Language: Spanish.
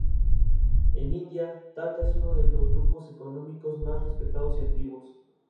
Es un alto honor para personas de testimonio social, reconocido e intachable.